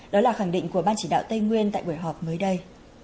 đó là khẳng định của ban chỉ đạo tây nguyên tại buổi họp mới đây